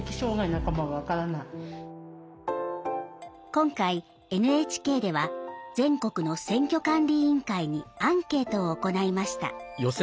今回ＮＨＫでは全国の選挙管理委員会にアンケートを行いました。